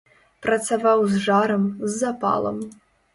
Працаваў з жарам, з запалам.